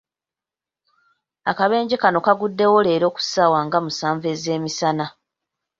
Akabenje kano kaguddewo leero ku ssaawa nga musanvu ezeemisana.